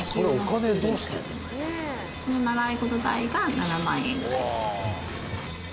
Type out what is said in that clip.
その習い事代が７万円ぐらいですね。